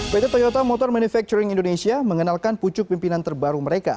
pt toyota motor manufacturing indonesia mengenalkan pucuk pimpinan terbaru mereka